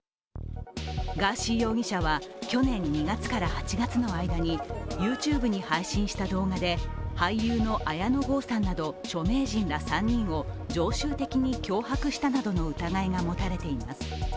ガーシー容疑者は去年２月から８月の間にＹｏｕＴｕｂｅに配信した動画で俳優の綾野剛さんなど著名人ら３人を常習的に脅迫したなどの疑いが持たれています。